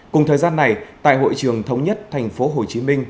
cùng thời gian này tại hội trường thống nhất thành phố hồ chí minh